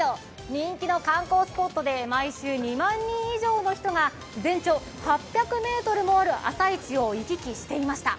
人気の観光スポットで毎週２万人以上の人が全長８００ｍもある朝市を行き来していました。